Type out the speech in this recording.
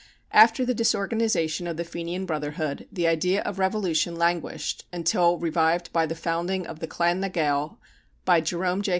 After the disorganization of the Fenian Brotherhood, the idea of revolution languished until revived by the founding of the Clan na Gael by Jerome J.